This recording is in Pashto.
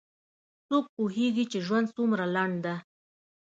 څوک پوهیږي چې ژوند څومره لنډ ده